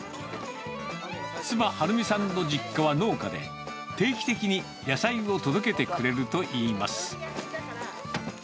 妻、春美さんの実家は農家で、定期的に野菜を届けてくれるといいます。